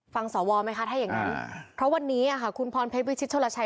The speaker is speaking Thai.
สวไหมคะถ้าอย่างนั้นเพราะวันนี้คุณพรเพชรวิชิตโชลชัย